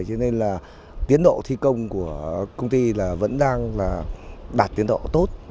cho nên là tiến độ thi công của công ty vẫn đang đạt tiến độ tốt